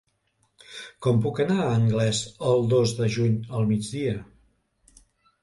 Com puc anar a Anglès el dos de juny al migdia?